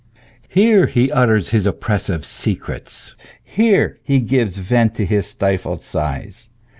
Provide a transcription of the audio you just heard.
Here he utters his oppressive secrets ; here he gives vent to his stifled sighs.